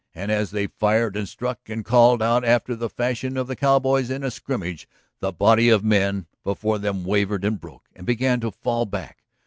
And as they fired and struck and called out after the fashion of the cowboy in a scrimmage the body of men before them wavered and broke and began to fall back.